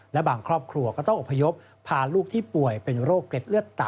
และบางครอบครัวก็ต้องอบพยพพาลูกที่ป่วยเป็นโรคเกร็ดเลือดต่ำ